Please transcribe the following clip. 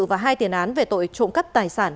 và hai tiền án về tội trộm cắp tài sản